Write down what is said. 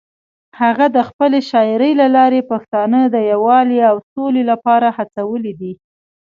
هغه د خپلې شاعرۍ له لارې پښتانه د یووالي او سولې لپاره هڅولي دي.